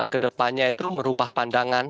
ke depannya itu merupakan pandangan